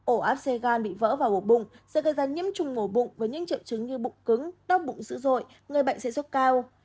ố áp xe gan bị vỡ vào ổ bụng sẽ gây ra nhiễm trùng ổ bụng với những triệu chứng như bụng cứng đau bụng dữ dội người bệnh sẽ rốt cao